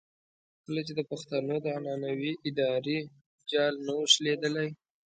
کله چې د پښتنو د عنعنوي ادارې جال نه وو شلېدلی.